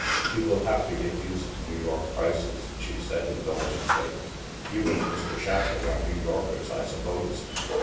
" You will have to get used to New York prices," she said indulgently. "You and Mr. Shapleigh are New Yorkers, I suppose?